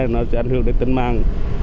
nó sẽ ảnh hưởng đến tên nạn